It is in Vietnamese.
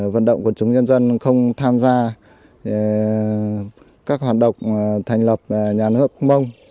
vận động của chúng nhân dân không tham gia các hoạt động thành lập nhà nước mong